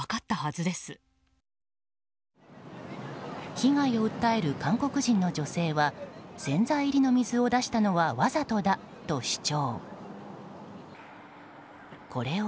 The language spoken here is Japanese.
被害を訴える韓国人の女性は洗剤入りの水を出したのはわざとだと主張。